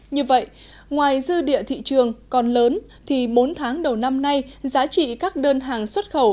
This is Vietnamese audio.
như vậy ngoài dư địa thị trường còn lớn thì bốn tháng đầu năm nay giá trị các đơn hàng xuất khẩu